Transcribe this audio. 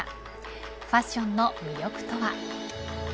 ファッションの魅力とは。